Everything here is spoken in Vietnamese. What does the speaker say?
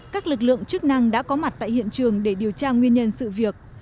các lực lượng chức năng đã có mặt tại hiện trường để điều tra nguyên nhân sự việc